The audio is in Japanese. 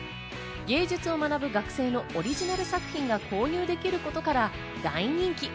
芸術を学ぶ学生のオリジナル作品が購入できることから、大人気。